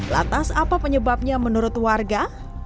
lantas apa penyebabnya menurut warga